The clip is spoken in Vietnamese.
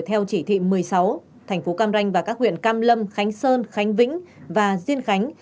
theo chỉ thị một mươi sáu thành phố cam ranh và các huyện cam lâm khánh sơn khánh vĩnh và diên khánh